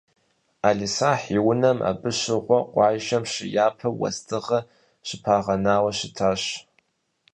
Ӏэлисахь и унэм абы щыгъуэ, къуажэм щыяпэу, уэздыгъэ щыпагъэнауэ щытащ.